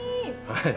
はい。